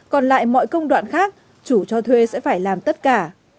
còn lại mọi công đoạn khác chủ cho thuê sẽ phải làm tất cả